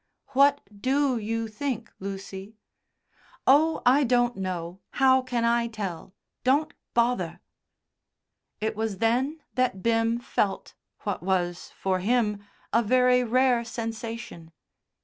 "What do you think, Lucy?" "Oh, I don't know. How can I tell? Don't bother." It was then that Bim felt what was, for him, a very rare sensation.